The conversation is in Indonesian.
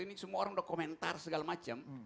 ini semua orang udah komentar segala macam